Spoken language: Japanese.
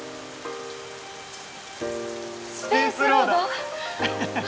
スペースロード！